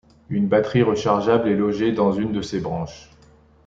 Une batterie rechargeable est logée dans une de ses branches.